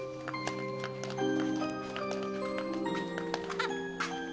あっ！